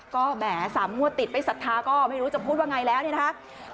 ก็แหม๓งวดติดไม่ศรัทธาก็ไม่รู้จะพูดว่าไงแล้วเนี่ยนะคะ